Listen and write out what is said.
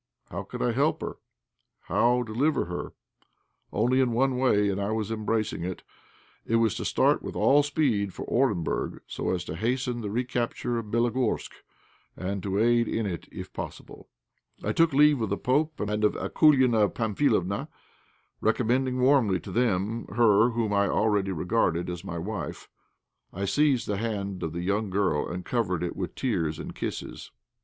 How could I help her? How deliver her? Only in one way, and I embraced it. It was to start with all speed for Orenburg, so as to hasten the recapture of Bélogorsk, and to aid in it if possible. I took leave of the pope and of Akoulina Pamphilovna, recommending warmly to them her whom I already regarded as my wife. I seized the hand of the young girl and covered it with tears and kisses.